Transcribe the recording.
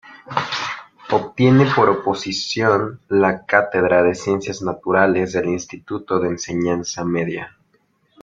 Obtiene por oposición la cátedra de Ciencias Naturales del Instituto de Enseñanza Media.